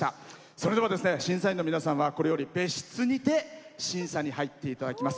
それでは審査員の皆さんはこれより別室にて審査に入っていただきます。